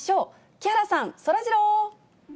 木原さん、そらジロー。